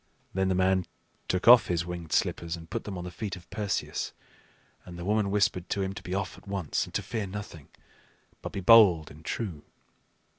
Then the man took off his winged slippers, and put them on the feet of Perseus; and the woman whispered to him to be off at once, and to fear nothing, but be bold and true.